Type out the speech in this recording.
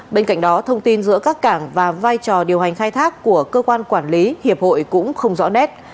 bên cạnh đó thông tin giữa các cảng và vai trò điều hành khai thác của cơ quan quản lý hiệp hội cũng không rõ nét